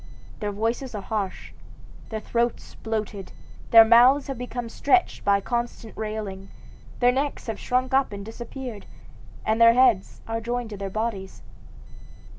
Their voices are harsh, their throats bloated, their mouths have become stretched by constant railing, their necks have shrunk up and disappeared, and their heads are joined to their bodies.